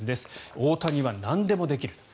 大谷はなんでもできる。